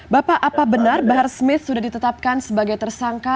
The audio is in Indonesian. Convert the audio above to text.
bapak apa benar bahar smith sudah ditetapkan sebagai tersangka